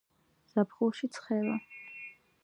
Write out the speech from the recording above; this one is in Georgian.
ზაფხულში ცხელა